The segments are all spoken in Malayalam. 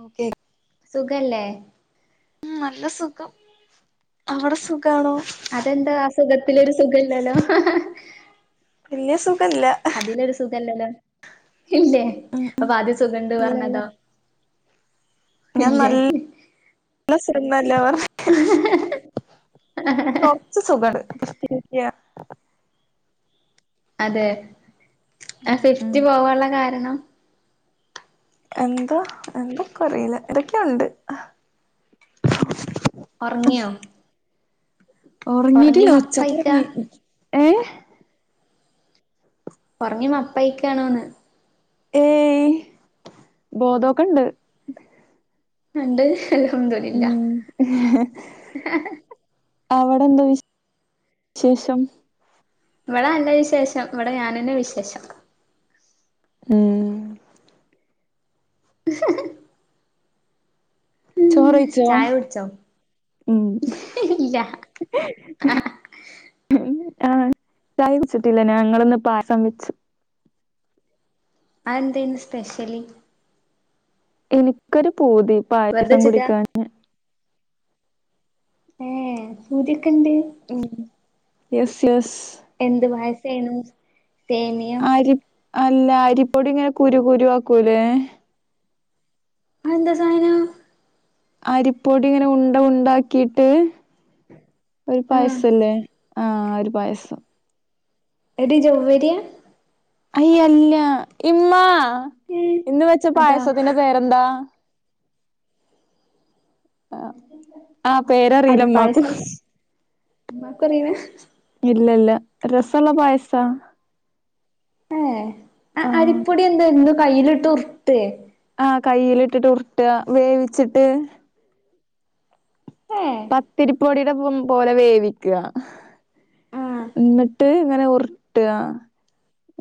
ഓക്കെ സുഖല്ലേ ഉം നല്ല സുഖം അവ്ടെ സുഖാണോ അതെന്താ ആഹ് സുഖത്തിലൊരു സുഖല്ലാലോ വല്യ സുഖല്ല അതിലൊരു സ് സുഖല്ല ലേ ഇല്ലേ ഉം ഉം അപ്പൊ ആദ്യ സുഖണ്ട് ഇല്ലല്ല പർഞ്ഞതോ ഞാൻ നൽ [inaudible] ല്ല [unintelligible] പർഞ്ഞെ ഇച്ച് സുഗാണ് [unintelligible] അതെ ആ ഉം ഉം ഫിഫ്റ്റ് പോവാള്ള കാരണം എന്ത എന്തക്കുറീല്ല എന്തൊക്ക്യോണ്ട് ഒർങ്ങ്യോ ഒറങ്ങീട്ടില്ല മപ്പയിക്കാ ഉച്ചക്കൊറങ്ങി ഏഹ് ഒറങ്ങി മപ്പായിക്കാണോന്ന് ഏയ് ബോധോക്കെണ്ട് ഇണ്ട് അൽഹംദുൽ ഉം അവടെന്ത വി ശേഷം ഇവ്ടെ നല്ലെ വിശേഷം ഇവിടെ ഞാനെന്നെ വിശേഷം ഉം ചോറെയ്ച്ചോ ചായ കുടിച്ചോ ഉം ഇല്ല ഉൽ ആഹ് ചായ കുട്ച്ചിട്ടില്ല ഞങ്ങള്ന്ന് പായ്സം വെച്ചു അയെന്തേന്ന് സ്പെഷെല് ഇനിക്കൊരു പൂതി വെറുതെ പായസം ച്ച്ക്കാ കുടിക്കാന് ഏഹ് പൂത്യൊക്കെണ്ട് ഉം യെസ് യെസ് എന്ത് പയസേനു സേമിയം അരി അല്ല അരിപ്പൊടി ഇങ്ങനെ കുരു കുരു ആക്കൂലേ അ എന്താ സാനം അരിപ്പൊടി ഇങ്ങനെ ഉണ്ട ഉണ്ടാക്കീട്ട് ഒര് ആഹ് പായ്സല്ലേ ആഹ് ഒരു പായ്സം എടീ ജൗവ്വെര്യാ അയ് അല്ല ഇമ്മാ ഏഹ് ഇന്ന് വെച്ച അതാ പായസത്തിന്റെ പേരെന്താ ആഹ് ആഹ് പേരറീല ഇമ്മാക്കും അരിപ്പായസം ഉമ്മാക്കറിയണ ഇല്ല ഇല്ല രസള്ള പായ്സ ഏഹ് അ ആഹ് അരിപ്പൊടി എന്തായിരുന്നു കയ്യിലിട്ട് ഉർട്ടേ? ആഹ് കയ്യിലിട്ടിട്ട് ഉർട്ട വേവിച്ചിട്ട് ഏഹ് പത്തിരിപ്പൊടീടെ പം പോലെ വേവിക്ക ആഹ് ഇന്നിട്ട് ഇങ്ങനെ ഉർട്ട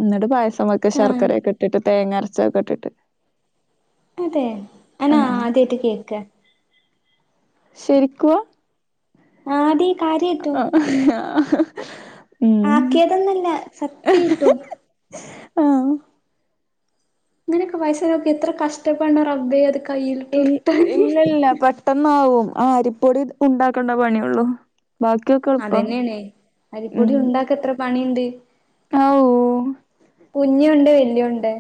ഇന്നിട്ട് പായസ് അം വെക്ക ആഹ് ശർക്കര്യൊക്കെട്ടിട്ട് തേങ്ങ അരച്ചൊക്കെ ഇട്ടിട്ട്. അതെ ആ ആ അനാദ്യേട്ട് കേക്ക. ശരിക്ക്വാ ആടി കാര്യായ്ട്ടും. ആഹ്. ആക്ക്യേതൊന്നല്ല സത്യേട്ടും. ആ ഇങ്ങനൊക്കെ പായ്‌സം വെക്കെ എത്ര കഷ്ടപ്പെട്ണം റബ്ബേ അത് കയ്യിലിട്ട് ഇൽ ഉരുട്ടാന് ഇല്ലല്ല പെട്ടന്നാവും ആഹ് അരിപ്പൊടി ഉണ്ടാക്കണ്ട പണിയൊള്ളു. ബാക്ക്യൊക അതന്നേണ് അരിപ്പൊടി ഉണ്ടാക്ക എത്ര പണിണ്ട് ആവൂ കുഞ്ഞി ഉണ്ടേ വലിയ ഉണ്ടേ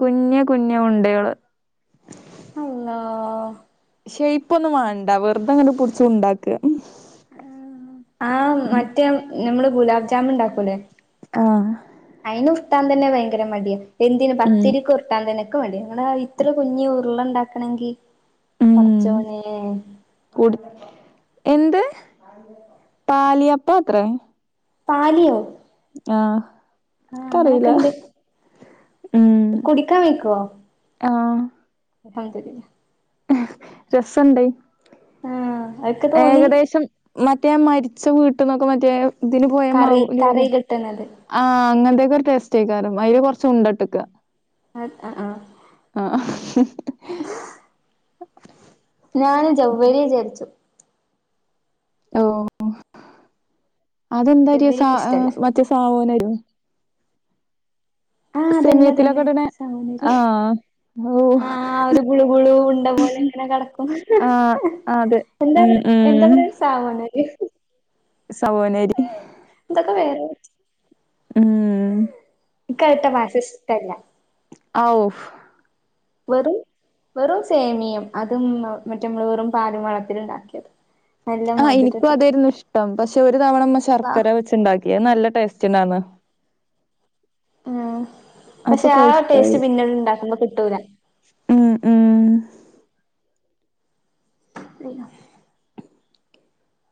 കുഞ്ഞ കുഞ്ഞ ഉണ്ടകള്. അള്ളോ ഷെയ്പ്പ് ഒന്നും വേണ്ട വെറുതെ ങ്ങനെ പിടിച്ച് ഉണ്ടാക്ക. ആ മറ്റേ നമ്മള് ഗുലാബ് ജാമ് ണ്ടാക്കൂലേ ആഹ്. അയിന് ഉരുട്ടാൻ തന്നെ ഭയങ്കര മടിയ എന്തിന് ഉം പത്തിരിക്ക് ഉർട്ടാൻ തന്നെ ക്ക് മടിയാ ഇങ്ങ്ണ്ടാ ഇത്ര കുഞ്ഞി ഉറുള ഉണ്ടാക്കണെങ്കി പടച്ചോനേ കുട് എന്ത് പാലിയപ്പ ത്രേ പാലിയോ? ആഹ് ആ ക്കറീല അങ്ങനൊക്കെ ഇണ്ട് കുടിക്കാൻ വെയ്‌ക്കോ ആഹ്. [unintelligible] രസണ്ട് ആ അതൊക്കെ തോന്നി ഏകദേശം മറ്റേ മര്ച്ച വീട്ട്ന്നൊക്കെ മറ്റേ തിന് പോയ കറി മവ് കറി ലൂദ് കിട്ടണത് ആ അങ്ങനത്തൊക്കെ ഒരു ടെസ്റ്റെയ്ക്കാരം അയ്ല് കൊർച്ച് ഉണ്ടട്ട്ക്ക അൻ ആഹ് ആഹ്. ആഹ്. ഞാന് ചൊവ്വരി ചാര്ച്ച് ഓ അതെന്തരി ജൗവ്വരി സ ഇക്ക് ഇഷ്ടല്ല മറ്റേ സവോനരോ ആ അതന്നെ സെമിയത്തിലൊക്കെ അതന്നെ ഇടണെ സാവുനരി. ആഹ് ഓഹ് ആ ഒരു ഗുളു ഗുളു ഉണ്ട പോലെ ഇങ്ങനെ കിടക്കും. ആഹ് അതെ ഉം ഉം. സാവുനരി. സാവുനരി. എന്തൊക്കെ വേറെ ഉം. ക്ക് അവിടുത്തെ ഭാഷ ഇഷ്ടല്ല. ഔഫ്. വെറും വെറും സേമിയം അതും മറ്റ മ്മള് വെറും പാലും വെള്ളത്തില് ഉണ്ടാക്കിയത്. ആ എനിക്കും അതായിരുന്നു ഇഷ്ടം പക്ഷെ ഒരു തവണ ഉമ്മ അല്ലാഹ് ശർക്കര വെച്ചുണ്ടാക്കി അത് നല്ല ടേസ്റ്റിണ്ടന്ന്. ഉം പക്ഷെ അപ്പൊക്കെ ആ ഇഷ്ടായി ടേസ്റ്റ് പിന്നെണ്ടാക്കുമ്പോ കിട്ടൂല. ഉം ഉം. [unintelligible]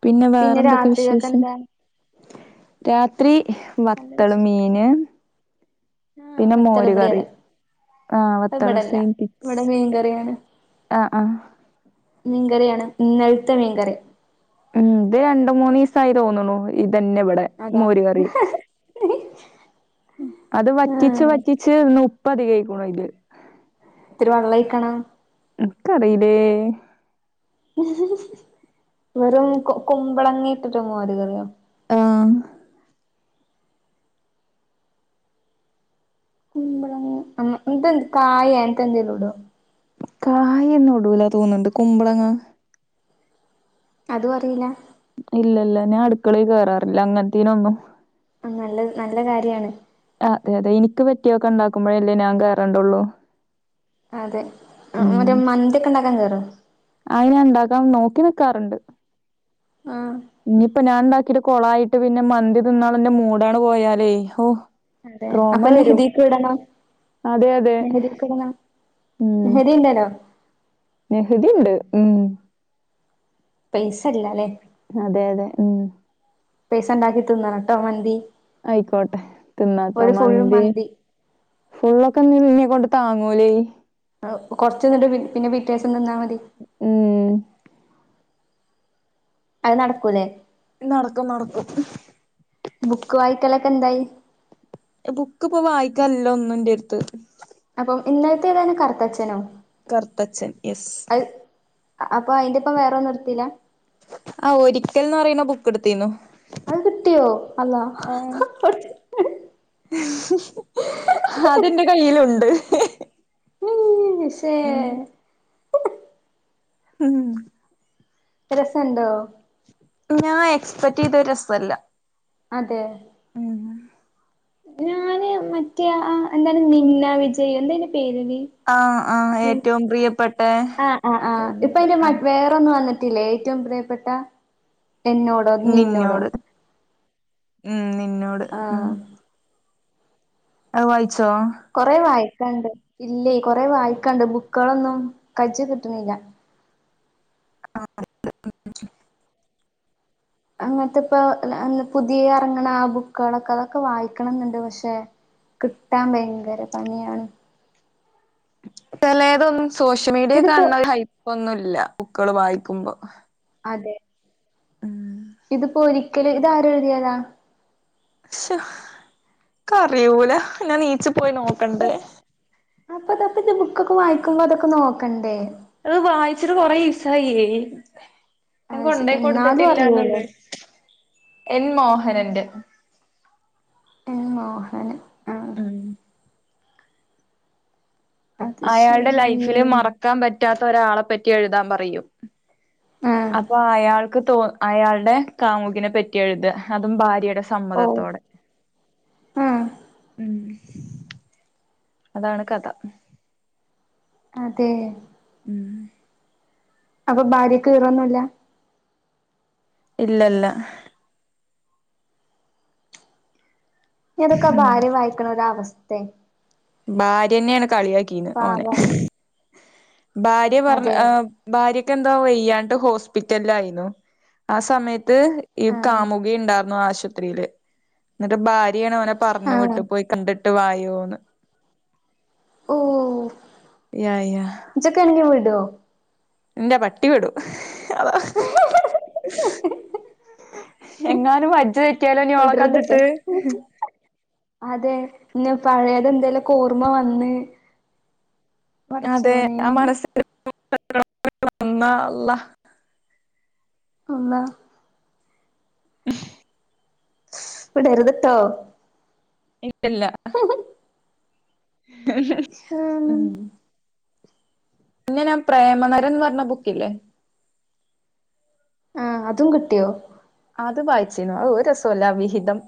പിന്നെ വേറെ എന്തൊക്കെ രാത്രികക്ക് വിശേഷം എന്താ രാത്രി ബത്തള് മീന് ആഹ് പിന്നെ ബത്തള് മോര് ഇവിടെ കറി അതെ ആഹ് അത് വത്തള് ഇബടല്ല. സെയിം പിച്ച് ഇവടെ മീൻകറിയാണ് ആഹ് ആഹ് മീൻകറിയാണ് ഇന്നലത്തെ മീൻകറി ഉം ഇത് രണ്ട് മൂന്ന് ദിവസായി തോന്ന് ണ് ഇതന്നെ ഇവിടെ അതാ മോര് കറി അത് വറ്റിച്ച് ആഹ് വറ്റിച്ച് ഇന്ന് ഉപ്പ് അധികൈക്കുണ് അയ്ല് ത്തിരി വെള്ളം ഒഴിക്കണം ക്ക്റിയില്ലേ വെറും കു കുമ്പളങ്ങിട്ടിട്ട് മോര് കറിയോ? ആഹ് കുമ്പളങ്ങ ആ എന്ത് കായ അങ്ങനത്തെ എന്തങ്കിലും ഇടോ കായ്ന്നുടൂല തോന്ന്ണ്ട് കുമ്പളങ്ങ അതുവറിയില്ല ഇല്ലല്ല ഞാ അടുക്കളേ കേറാറില്ല അങ്ങൻത്തേനൊന്നും ആഹ് നല്ല നല്ല കാര്യാണ് ആഹ്തെയതെ എനിക്ക് പറ്റിയൊക്കെണ്ടാക്കുമ്പോഴല്ലേ ഞാൻ കേറാണ്ടൊള്ളൂ അതെ മന്തി ഒക്കെണ്ടാക്കാൻ കേറോ അത് ഞാണ്ടാക്കാം നോക്കി നിക്കാറുണ്ട് ആഹ് ഇനീപ്പോ ഞാണ്ടാക്കിട്ട- കൊളായിട്ട് പിന്നെ മന്തി തിന്നാന്ള്ളന്റെ മൂടാണ് പോയാലേ ഹൊ അതെ അപ്പൊന്നെ ഹിദക്ക് ഇടണം അതെ അതെ മെഹന്തിഒക്കെ ഇടുന്ന മെഹന്ദി ഉണ്ടല്ലോ നെഹതിണ്ട് ഉം പൈസല്ല അലേ അതെയതെ ഉം പൈസണ്ടാക്കി തിന്നണട്ടോ മന്തി ആയിക്കോട്ടെ തിന്നാട്ടൊ ഒരു ഫുള്ള് മന്തി ഫുള്ളൊക്കെ ന് ന്നെ കൊണ്ട് താങ്ങൂലേ കൊറച്ച്ന്നിട്ട് പി പിന്നെ പിറ്റേസം തിന്നാ മതി ഉം അത് നടക്കൂല്ലേ നടക്കും നടക്കും ബുക്ക് വായിക്കലക്കെന്തായി ബുക്ക്പ്പോ വായിക്കാന്ല്ല ഒന്നൂന്റെടുത്ത് അപ്പം ഇന്നലത്തേതാണ് കറുത്തച്ഛനോ കർത്തച്ഛൻ യെസ് അത് അപ്പൊ അയിന്റെപ്പം വേറെന്നും എട്ത്തില്ല ആഹ് ഒരിക്കൽ ന്ന് പറയ്ണ ബുക്കെടുത്തിന്നു അത് കിട്ടിയോ അള്ളാ ഹ്ഹ്ഹ അതെന്റെ കയ്യിലുണ്ട് മ് ശേ ഉം ഉം രസംണ്ടോ ഞാൻ എക്സ്പെക്ടെചെയ്തോ രസല്ല അതെ ഉം ഞാന് മറ്റേ എന്താണ് നിന്ന വിജയ് എന്തായ് ന്റെ പേര് ഡി ആഹ് ആഹ് ഏറ്റൊവും പ്രിയപ്പെട്ടെ ആ വന്നിട്ടില്ലെ ഏറ്റൊം പ്രിയപ്പെട്ട എന്നോട് നിന്നോട് ഉം നിന്നോട് ഉം ആഹ് അത് വായ്ച്ചോ കൊറെ വായിക്കാണ്ട് ഇല്ലേ കൊറെേ വായിക്കാണ്ട് ബുക്കളൊന്നും കജ്ജ് കിട്ട്ണില്ല [inaudible] അന്നാത്ത്പ്പൊ പുതിയ ങ്ങ്നാ ബുക്കുകളൊക്കെ അതൊക്കെ വായിക്കണന്ന്ണ്ട് പക്ഷെ കിട്ടാം ബയങ്കര പണിയാണ് ചെലേതൊന്നും സോഷ്യ മീഡിയെ ഇതിപ്പോ കാണ്ണ ഹൈപ്പൊന്നുല്ല ബുക്കള് വായിക്കുമ്പോ അതെ ഉം ഇതിപ്പോ ഒരിക്കല് ഇതാരെഴുതിയതാ ശോ ക്കറിയൂല ഞാൻ നീച്ച് പോയി നോക്കണ്ടേ അപ്പൊ ത [unintelligible] ബുക്കൊക്കെ വായിക്കുമ്പോ അതൊക്കെ നോക്കണ്ടേ അത് വായിച്ചിട്ട് കൊറേ ഇസായി ഞാ കൊണ്ടോയി എന്നാലും അറിയൂല്ലേ കൊടുത്തിട്ടില്ലാന്നൊള്ള് എൻ മോഹനന്റെ എൻ മോഹന് ഉം അത് അയാൾടെ ശരി ലൈഫിലെ മറക്കാൻ പറ്റാത്ത ഒരാളെ പറ്റി എഴുതാൻ പറയും ആ അപ്പൊ അയാൾക്ക് തോ അയാൾടെ കാമുകിനെ പറ്റിഎഴുത അതും ഭാര്യെടെ ഓ സമ്മതത്തോടെ ആ ഉം അതാണ് കഥ അതെ ഉം അപ്പൊ ഭാര്യക്ക് ഈറൊന്നുല്ല ഇല്ല ഇല്ല അതൊക്കെ ആ ഭാര്യ വായിക്ക് ണേ ഒരവസ്ഥയ ഭാര്യന്നെണ് കളിയാക്കീന്ന് ഓനെ പാവം ഭാര്യ പറഞ്ഞ് അതെ ആഹ് ഭാര്യക്ക് എന്താ വെയ്യാണ്ട് ഹോസ്പിറ്റലിലായിന്നു ആ സമയ അത് ഈ ആ കാമുകി ഇണ്ടായിരുന്നു ആശുപത്രിയില് എന്നിട്ട് ഭ ര്യ യാണ ഓനെ പറഞ് ആ വിട്ടു പോയി കണ്ടിട്ട് വായോന്ന് ഓഹ് യാ യാ ഇജ്ജോക്കെ ആണെങ്കിൽ വിടോ ന്റെ പട്ടി വിടും അതാ എങ്ങാനും വജ് തെറ്റിയാലോ ഇനി ഓളെ വിടരുത്ട്ടോ കണ്ടിട്ട് അതെ ഇന്ന് പഴയത് എന്തേലും ഓർമ്മ വന്ന് അതെ പടച്ചോനെ ആ മനസ്സിൽ [unintelligible] വന്നേഅള്ളാ അള്ളാ വിടരുത് ട്ടോ ട്ടില്ല ഉം പിന്നെ ഞാൻ പ്രേമനരൻ ന്ന് പറഞ്ഞ ബുക്കില്ലേ ആഹ് അതും കിട്ടിയോ അത് വായിച്ചനു അയ് ഒരു രസല്ല അവിഹിതം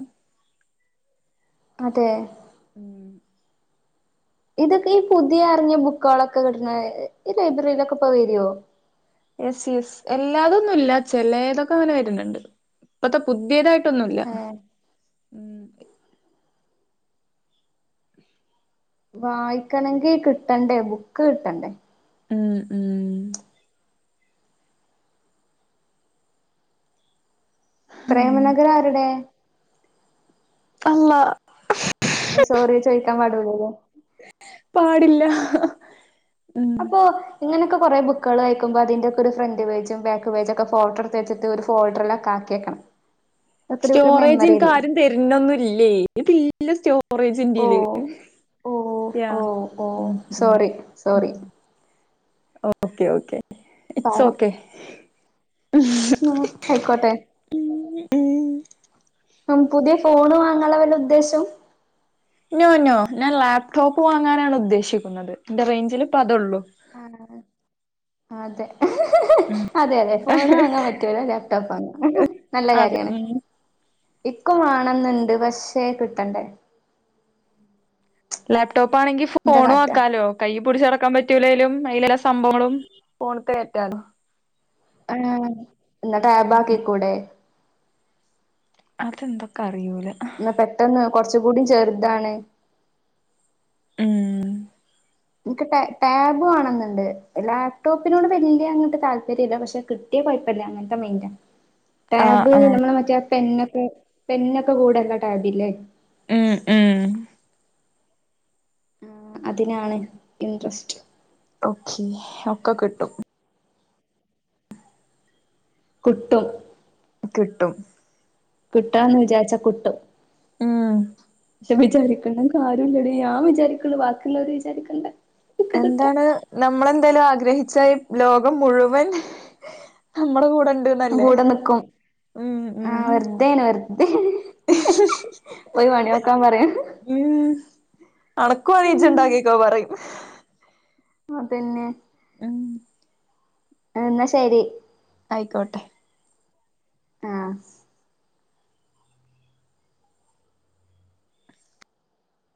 അതെ ഇതൊക്കെ ഈ പുതിയ അറിഞ്ഞ ബുക്കളൊക്കെ കിട്ടുന്ന ഈ ലൈബ്രറിയിലൊക്കെ പോ വരുവോ എസ് എസ് എല്ലാതൊന്നും ഇല്ല ചിലതൊക്കെ ഇങ്ങനെ വര്ന്ന് ഇണ്ട് ഇപ്പത്തെ പുതിയതായിട്ട് ട്ടൊന്നുല്ല ഏ വായിക്കണങ്കി കിട്ടണ്ടേ ബുക്ക് കിട്ടണ്ടേ ഉം ഉം ഉം പ്രേമനഗരം ആരുടെ അള്ളാ സോറി ചോദിക്കാൻ പാടുലല്ലോ പാടില്ലാ ഉം ഇപ്പോ ഇങ്ങനൊക്കെ കൊറേ ബുക്ക്കളയക്കുമ്പോ അതിൻ്റൊക്കൊരു ഫ്രണ്ട് പേജും ബാക്ക് പേജൊക്കെ ഫോട്ടോടു ത്ത് വെച്ചിട്ട് ഒരു ഫോൾഡർല് ആക്കാക്കിയെക്കണം സ്റ്റോറേജ് എനിക്കാരും തര്നൊന്നുല്ലേയ് എനിക്ക് സ്റ്റോ ഓ റ്റോറേജെൻ്റീല് ഓ യാ ഓ ഓ ഉം ഉം സോറി ഉം സോറി ഓക്കേ ഓക്കേ എസ് പാവം ഓക്കേ ഉം ഉം ആയിക്കോട്ടെ ഉം പുതിയ ഫോണ് വാങ്ങാള്ള വല്ല ഉദ്ദേശവും നോ നോ ഞാൻ ലാപ്ടോപ്പ് വാങ്ങാനാണുദ്ദേശിക്കുന്നത് ഇന്റ റെയ്ഞ്ചിലിപ്പ അതൊള്ളൂ ആഹ് അതെ അതേയതെ ഫോണ് വാങ്ങാൻ പറ്റുവല്ലോ ലാപ്ടോപ്പ് വാങ്ങാം നല്ല അത് കാര്യാണ് ഉം ഇക്കും വാണന്ന്ണ്ട് പക്ഷേ കിട്ടണ്ടേ ലാപ്ടോപ്പാണെങ്കി എന്താ ഫോണു കാട്ടാ ആക്കാലോ കയ്യി പിടിച്ച് നടക്കാൻ പറ്റൂലേലും അയിലെലാ സ് സംഭവങ്ങളും ഫോണിക്കെ കേറ്റാലോ ഏഹ് ഇന്നാ ടാബാക്കി കൂടെ അതെന്താ ഇക്കറിയൂല ന്നാ പെട്ടെന്ന് കൊറച്ച് കൂടിം ചെറ്താണ് ഊം ഇൻക്ക് ടാ ടാബ് വാണംന്ന്ണ്ട് ലാപ്ടോപ്പിനോട് വല്ല്യങ്ങട്ട് താല്പര്യല്ല പക്ഷെ കിട്ട് ട്ടിയ കൊയപ്പല്ല അങ്ങനെത്ത മൈൻഡാ ആഹ് ടാബ് ആഹ് നമ്മള മറ്റേ ആ പെന്നൊക്കെ പെന്നൊക്കെ കൂടെള്ള ടാബില്ലേ ഉം ഉം അതിനാണ് ഇൻട്രസ്റ്റ് ഓക്കേ ഒക്ക കിട്ടും കിട്ടും കിട്ടും കിട്ടണം ന്ന് വിചാരിച്ചാ കിട്ടും ഉം വിചാരിക്ക്ണേ കാര്യല്ലടീ ഞാൻ വിചാരിക്ക്ണേ ബാക്കിള്ളോര് വിചാരിക്കണ്ടേ എന്താണ് നമ്മളെന്തേലും ആഗ്രഹിച്ചാ ഈ ലോകം മുഴുവൻ നമ്മടെ കൂടെണ്ട് കൂടെ നിക്കും ആഹ് വെറുതേന് വെറുതെണ് ഉം അണക്കു വേണേ ഇജ്ജ് ഉം ഇണ്ടാക്കിക്കോ പറയും അതന്നെ ഉം എന്നാ ശരി ആയിക്കോട്ടെ ആഹ്